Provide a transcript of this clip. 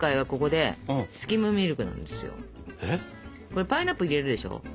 これパイナップル入れるでしょ。